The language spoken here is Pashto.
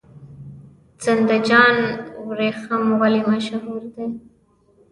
زنده جان وریښم ولې مشهور دي؟